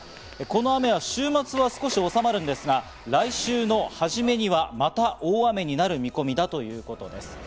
この雨は週末は少しおさまるんですが、来週の初めにはまた大雨になる見込みだということです。